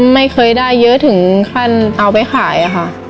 ไม่เคยได้เยอะถึงขั้นเอาไปขายอะค่ะ